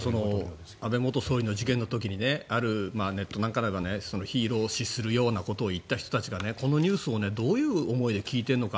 安倍元総理の事件の時にネットなんかではヒーロー視するようなことを言った人たちが、このニュースをどういう思いで聞いているのか。